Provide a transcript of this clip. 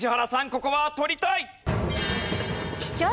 ここは取りたい！